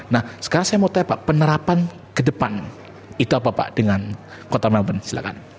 nah sekarang saya mau tanya pak penerapan ke depan itu apa pak dengan kota melbourne silahkan